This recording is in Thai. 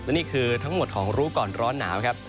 นี่คือทั้งหมดของรู้ก่อนร้อนหนาวครับ